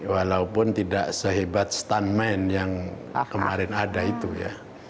walaupun tidak sehebat stuntman yang kemarin ada itu ya